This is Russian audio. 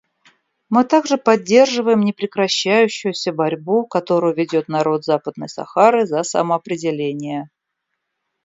Мы также поддерживаем непрекращающуюся борьбу, которую ведет народ Западной Сахары за самоопределение.